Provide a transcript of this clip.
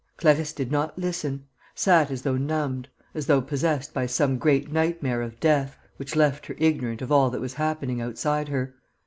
Clarisse did not listen, sat as though numbed, as though possessed by some great nightmare of death, which left her ignorant of all that was happening outside her.